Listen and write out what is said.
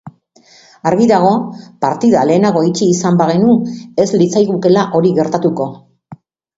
Argi dago, partida lehenago itxi izan bageun ez litzaigukela hori gertatuko.